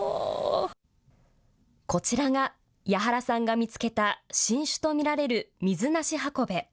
こちらが、矢原さんが見つけた、新種と見られるミズナシハコベ。